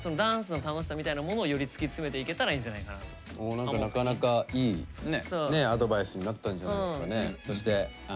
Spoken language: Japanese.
お何かなかなかいいアドバイスになったんじゃないですかね。